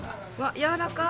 やわらかい！